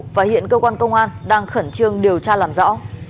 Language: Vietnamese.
và hiện cơ quan công an đang khẩn trương điều tra làm rõ